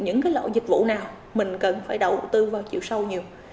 những loại dịch vụ nào mình cần phải đầu tư vào chịu sâu nhiều